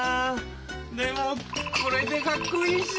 でもこれかっこいいし